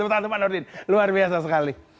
tepat tepat pak nurdin luar biasa sekali